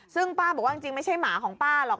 ซึ่งป้าบอกว่าจริงไม่ใช่หมาของป้าหรอก